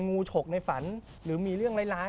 งูฉกในฝันหรือมีเรื่องร้าย